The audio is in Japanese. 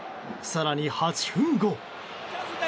更に８分後。